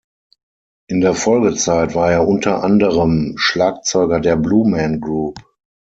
In der Folgezeit war er unter anderem Schlagzeuger der Blue Man Group.